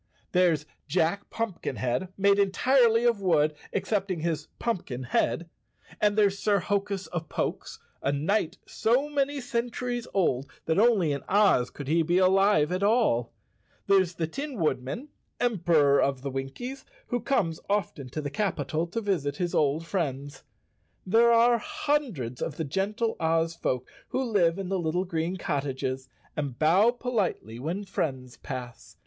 There's Jack Pumpkinhead, made entirely of wood, excepting his pumpkin head, and there's Sir Hokus of Pokes, a knight so many centuries old that only in Oz could he be alive at all. There's the Tin Woodman, Emperor of the Winkies, who comes often to the cap¬ ital to visit his old friends. 103 The Cowardly Lion of Oz _ There are hundreds of the gentle Oz folk, who live in the little green cottages and bow politely when friends pass.